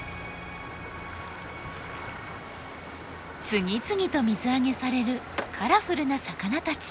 次々と水揚げされるカラフルな魚たち。